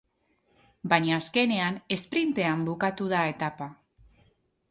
Baina azkenean esprintean bukatu da etapa.